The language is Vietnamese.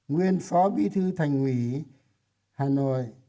nguyên phó bí thư thành ủy hà nội